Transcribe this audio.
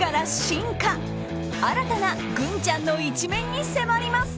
新たなグンちゃんの一面に迫ります。